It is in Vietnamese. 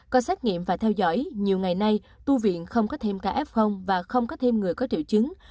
qua xét nghiệm và theo dõi nhiều ngày nay tu viện không có thêm ca f và không có thêm người có triệu chứng